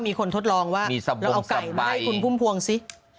มีคนทดลองว่ามีกลางซูสี่แก่มาให้คุณพุ่มพวงซิ